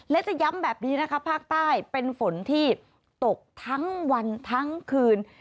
และจะย้ำแบบนี้นะคะภาคใต้เป็นฝนที่ตกทั้งวันทั้งคืน